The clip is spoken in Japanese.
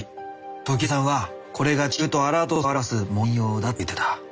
トキエさんはこれが地球とアラート星を表す紋様だって言ってた。